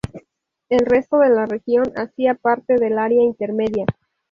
El resto de la región hacía parte del Área Intermedia.